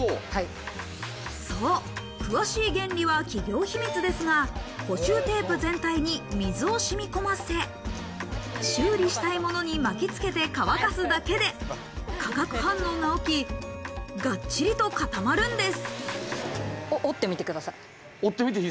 そう、詳しい原理は企業秘密ですが、補修テープ全体に水をしみこませ、修理したいものに巻きつけて乾かすだけで化学反応が起き、がっちりと固まるんです。